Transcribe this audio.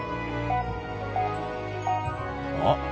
あっ！